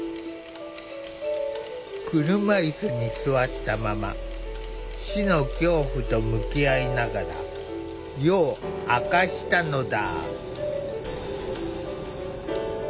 車いすに座ったまま死の恐怖と向き合いながら夜を明かしたのだ。